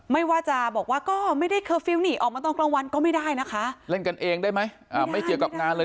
ไม่ว่าจะบอกว่าก็ไม่ได้เคอร์ฟิลหนีออกมาตอนกลางวันก็ไม่ได้นะคะ